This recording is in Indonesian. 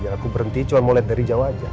aku berhenti cuma mau liat dari jauh aja